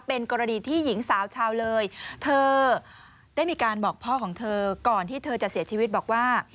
เป็นกรณีที่หญิงสาวชาวเลยเธอได้มีการบอกพ่อของเธอก่อนที่เธอจะเสียชีวิตบอกว่า